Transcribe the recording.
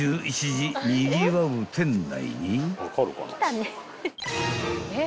にぎわう店内に］